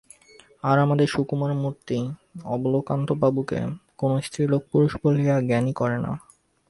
আর আমাদের সুকুমারমূর্তি অবলাকান্তবাবুকে কোনো স্ত্রীলোক পুরুষ বলে জ্ঞানই করে না।